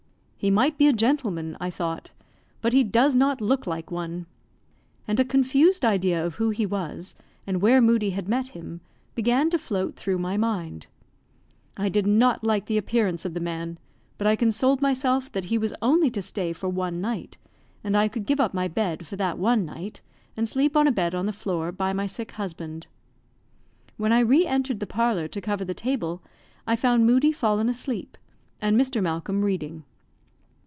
"He might be a gentleman," I thought, "but he does not look like one;" and a confused idea of who he was, and where Moodie had met him, began to float through my mind. I did not like the appearance of the man, but I consoled myself that he was only to stay for one night, and I could give up my bed for that one night, and sleep on a bed on the floor by my sick husband. When I re entered the parlour to cover the table, I found Moodie fallen asleep, and Mr. Malcolm reading.